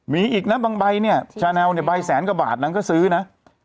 มีอีกนะบางใบแซนกว่าบาทนางก็ซื้น่ะ